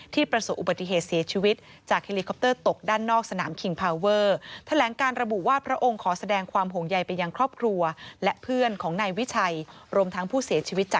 ที่ประสบอุบัติเหตุเสียชีวิต